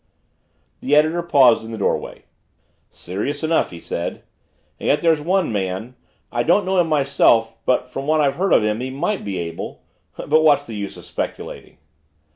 The editor paused in the doorway. "Serious enough," he said. "And yet there's one man I don't know him myself but from what I've heard of him, he might be able but what's the use of speculating?"